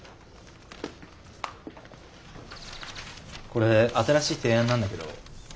これ新しい提案なんだけど。